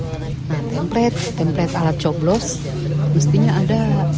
nah template template alat coblos mestinya ada